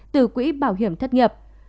từ quỹ bảo hiểm thất nghiệp